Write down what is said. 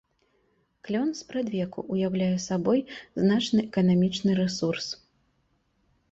Клён спрадвеку ўяўляе сабой значны эканамічны рэсурс.